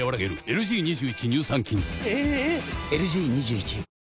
⁉ＬＧ２１